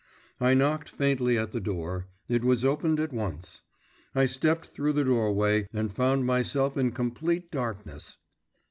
I knocked faintly at the door; it was opened at once. I stepped through the doorway, and found myself in complete darkness.